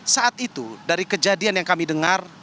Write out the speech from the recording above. saat itu dari kejadian yang kami dengar